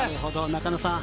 中野さん